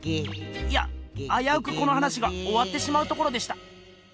いやあやうくこの話がおわってしまうところでした。